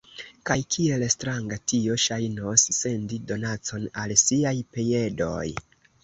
Kaj kiel stranga tio ŝajnos, sendi donacon al siaj piedoj!